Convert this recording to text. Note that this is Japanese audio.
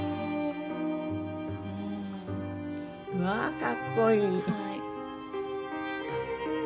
うわーかっこいい。